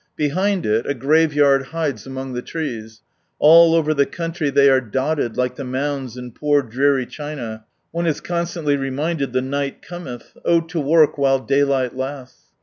Behind it, a graveyard hides among the trees ; all over the country they are dotted, like the mounds in poor dreary China, one is constantly reminded " The night cometh," oh to work while daylight lasts